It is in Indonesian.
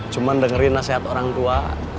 cuman dengerin nasihat orang tua